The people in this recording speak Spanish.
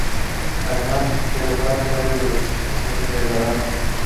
Además, se doblaron varios de los especiales de la banda.